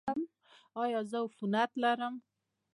ایا زه عفونت لرم؟